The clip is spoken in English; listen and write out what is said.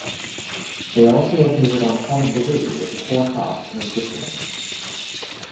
They also appeared on Hullabaloo with the Four Tops and the Supremes.